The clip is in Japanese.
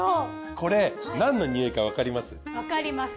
これ何の匂いかわかります？